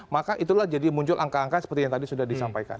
maka itulah jadi muncul angka angka seperti yang tadi sudah disampaikan